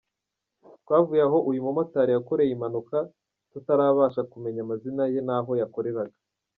Twavuye aho uyu mumotari yakoreye impanuka tutarabasha kumenya amazina ye naho yakoreraga.